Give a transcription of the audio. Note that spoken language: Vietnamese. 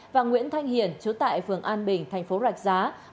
và nguyễn thanh hiền chú tại phường an bình thành phố rạch giá